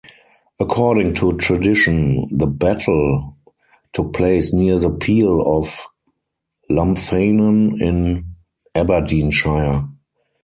According to tradition, the battle took place near the Peel of Lumphanan in Aberdeenshire.